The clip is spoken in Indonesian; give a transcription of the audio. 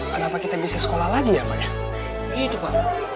kenapa kita bisa sekolah lagi ya pak ya